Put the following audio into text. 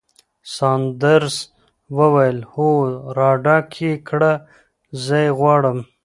ساندرز وویل: هو، راډک یې کړه، زه یې غواړم.